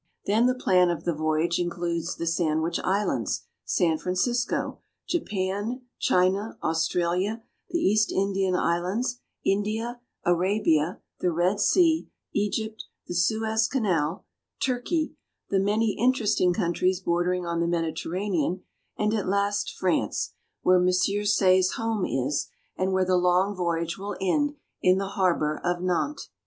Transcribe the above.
Then the plan of the voyage includes the Sandwich Islands, San Francisco, Japan, China, Australia, the East Indian islands, India, Arabia, the Red Sea, Egypt, the Suez Canal, Turkey, the many interesting countries bordering on the Mediterranean, and at last France, where M. Say's home is, and where the long voyage will end in the harbor of Nantes.